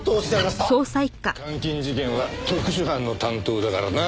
監禁事件は特殊班の担当だからな。